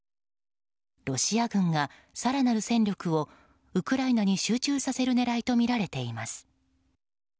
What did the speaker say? ロシア軍が更なる戦力をウクライナに集中させる狙いとみられています。